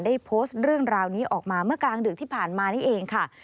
ได้โพสต์เรื่องราวนี้ออกมาเมื่อกลางดึกที่ผ่านมานี่เองค่ะ